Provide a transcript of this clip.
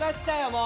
もう。